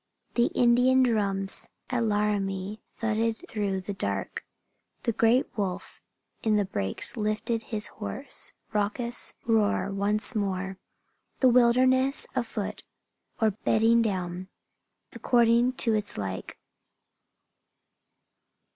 The Indian drums at Laramie thudded through the dark. The great wolf in the breaks lifted his hoarse, raucous roar once more. The wilderness was afoot or bedding down, according to its like.